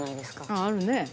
あるね。